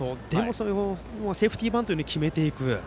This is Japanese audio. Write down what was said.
それをセーフティーバントのように決めていく。